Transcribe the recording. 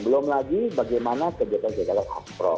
belum lagi bagaimana kegiatan kegiatan aspro